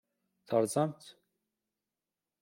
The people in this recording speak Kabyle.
Terẓamt-tt?